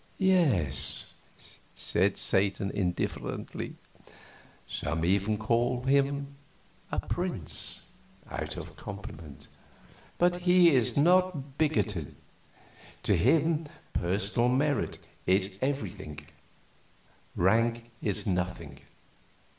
"Yes," said Satan, indifferently; "some even call him a Prince, out of compliment, but he is not bigoted; to him personal merit is everything, rank nothing."